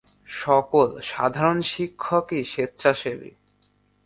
সকল সাধারণ শিক্ষকই স্বেচ্ছাসেবী।